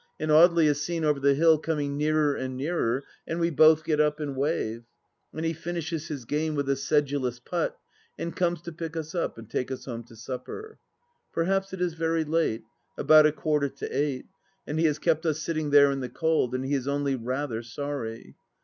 And Audely is seen over the hill, coming nearer and nearer, and we both get up and wave. ... And he finishes his game with a sedulous putt and comes to pick us up and take us home to supper. Perhaps it is very late — about a quarter to eight — and he has kept us sitting there in the cold, and he is only rather sorry.